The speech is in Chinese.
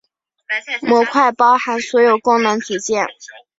模块包含所有功能组件。